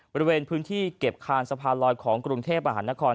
บริเวณพื้นที่เก็บคานสะพานลอยของกรุงเทพมหานคร